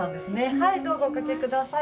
はいどうぞお掛けください。